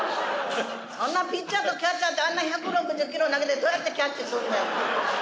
そんなピッチャーとキャッチャーってあんな１６０キロ投げてどうやってキャッチすんねん。